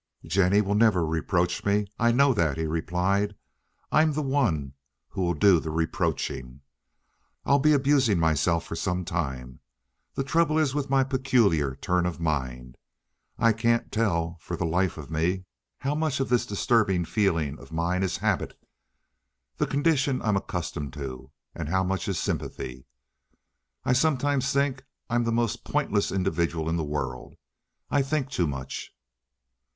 "Jennie will never reproach me, I know that," he replied. "I'm the one who will do the reproaching. I'll be abusing myself for some time. The trouble is with my particular turn of mind. I can't tell, for the life of me, how much of this disturbing feeling of mine is habit—the condition that I'm accustomed to—and how much is sympathy. I sometimes think I'm the the most pointless individual in the world. I think too much."